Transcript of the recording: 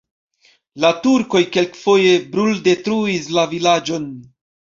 La turkoj kelkfoje bruldetruis la vilaĝon.